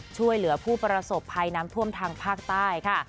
ช่วยเหลือผู้ประสบภัยน้ำท่วมทางภาคใต้ค่ะ